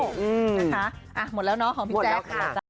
หมดนะคะหมดแล้วเนาะของพี่แจ๊คค่ะ